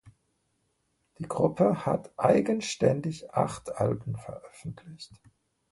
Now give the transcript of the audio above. Die Gruppe hat eigenständig acht Alben veröffentlicht.